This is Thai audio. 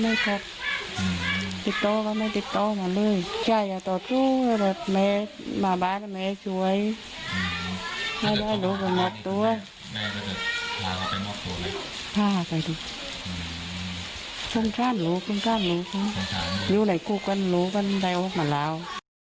แต่พ่อพ่อนุชาติโรงพลังกายแล้วก็ทำไว้อยู่แล้วนะครับ